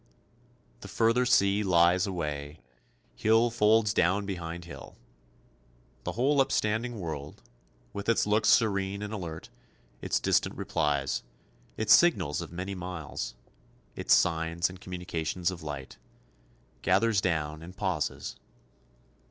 The further sea lies away, hill folds down behind hill. The whole upstanding world, with its looks serene and alert, its distant replies, its signals of many miles, its signs and communications of light, gathers down and pauses.